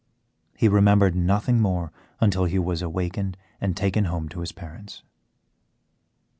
He remembered nothing more until he was awakened and taken home to his parents.